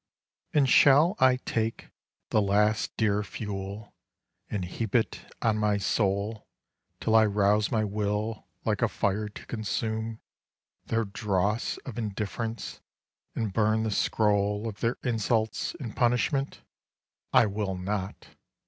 And shall I take The last dear fuel and heap it on my soul Till I rouse my will like a fire to consume Their dross of indifference, and burn the scroll Of their insults in punishment? I will not!